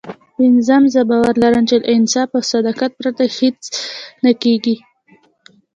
پينځم زه باور لرم چې له انصاف او صداقت پرته هېڅ نه کېږي.